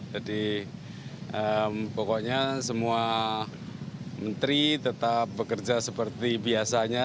jadi pokoknya semua menteri tetap bekerja seperti biasanya